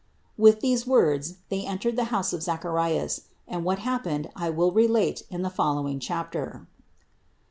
With these words they entered the house of Zacharias and what happened I will relate in the follow ing chapter.